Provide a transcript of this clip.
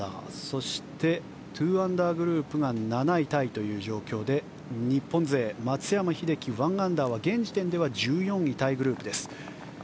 そして、２アンダーグループが７位タイという状況で日本勢、松山英樹の１アンダーは現時点で１４位タイグループ。